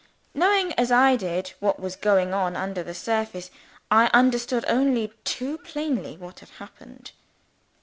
Knowing, as I did, what was going on under the surface, I understood only too plainly what had happened.